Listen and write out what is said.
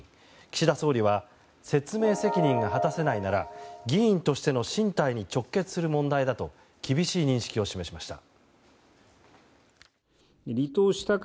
岸田総理は説明責任が果たせないなら議員としての進退に直結する問題だと厳しい認識を示しました。